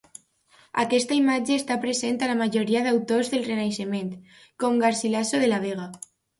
Aquesta imatge està present a la majoria d'autors del Renaixement, com Garcilaso de la Vega.